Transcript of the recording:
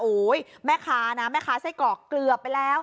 แม่ค้านะแม่ค้าไส้กรอกเกือบไปแล้ว